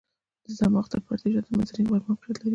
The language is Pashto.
د صماخ تر پردې شاته منځنی غوږ موقعیت لري.